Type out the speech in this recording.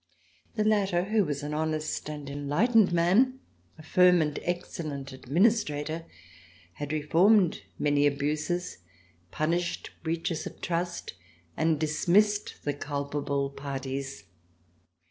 The latter, who was an honest and enlightened man, a firm and excellent administrator, had reformed many abuses, punished breaches of trust and dismissed the culpable parties.